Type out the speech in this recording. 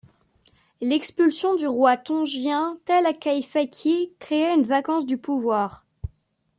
L'expulsion du roi tongien Talakaifaiki créa une vacance du pouvoir.